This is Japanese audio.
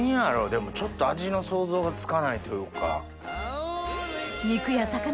でもちょっと味の想像がつかないというか。